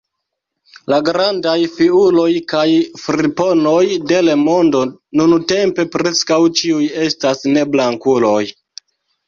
La grandaj fiuloj kaj friponoj de l’ mondo nuntempe preskaŭ ĉiuj estas neblankuloj.